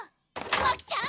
真姫ちゃん！